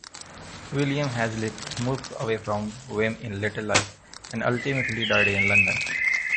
William Hazlitt moved away from Wem in later life and ultimately died in London.